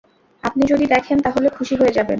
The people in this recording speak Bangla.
আপনি যদি দেখেন তাহলে খুশি হয়ে যাবেন।